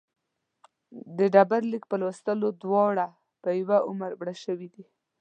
د ډبرلیک په لوستلو دواړه په یوه عمر مړه شوي دي.